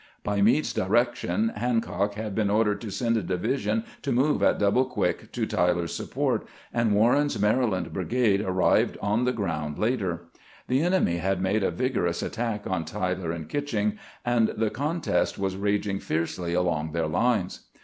By Meade's direction Hancock had been ordered to send a division to move at double quick to Tyler's support, and Warren's Maryland brigade arrived on the ground later. The enemy had made a vigorous attack on Tyler and Kitching, and the contest was raging fiercely along their lines.